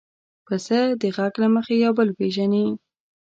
پسه د غږ له مخې یو بل پېژني.